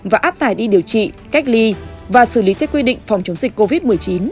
và áp tải đi điều trị cách ly và xử lý theo quy định phòng chống dịch covid một mươi chín